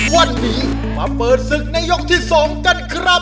วันนี้มาเปิดศึกในยกที่๒กันครับ